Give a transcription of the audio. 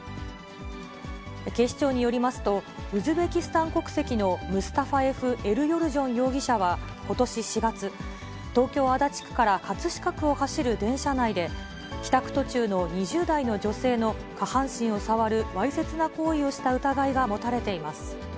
警視庁によりますと、ウズベキスタン国籍のムスタファエフ・エルヨルジョン容疑者は、ことし４月、東京・足立区から葛飾区を走る電車内で、帰宅途中の２０代の女性の下半身を触るわいせつな行為をした疑いが持たれています。